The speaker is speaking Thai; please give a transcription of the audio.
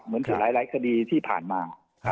เหมือนหลายคดีที่ผ่านมา